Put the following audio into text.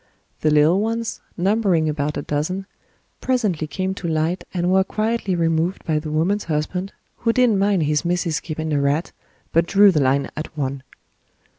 The little ones, numbering about a dozen, presently came to light and were quietly removed by the woman's husband, who didn't mind his missis keeping a rat, but drew the line at one.